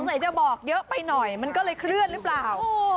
ไหนจะบอกเยอะไปหน่อยมันก็เลยเคลื่อนหรือเปล่า